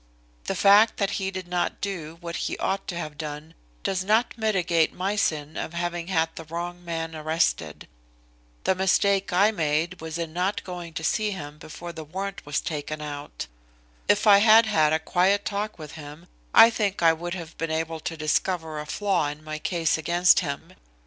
"The fact that he did not do what he ought to have done does not mitigate my sin of having had the wrong man arrested. The mistake I made was in not going to see him before the warrant was taken out. If I had had a quiet talk with him I think I would have been able to discover a flaw in my case against him.